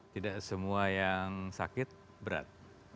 tidak semua yang sakit berat